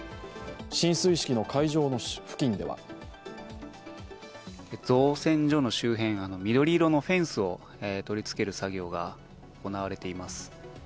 進水式の会場の付近では造船所の周辺、緑色のフェンスを取りつける作業が行われています。